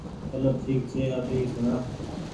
چلو ٺيڪ ڇي اٻي اي سوڻآ